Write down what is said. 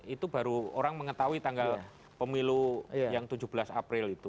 itu baru orang mengetahui tanggal pemilu yang tujuh belas april itu